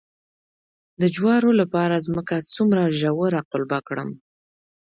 د جوارو لپاره ځمکه څومره ژوره قلبه کړم؟